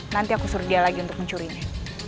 nanti aku suruh dia lagi untuk mencurinya